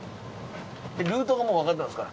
ルートがもうわかってますから。